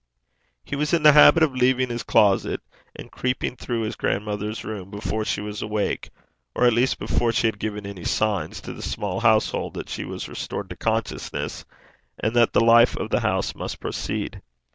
He was in the habit of leaving his closet and creeping through his grandmother's room before she was awake or at least before she had given any signs to the small household that she was restored to consciousness, and that the life of the house must proceed.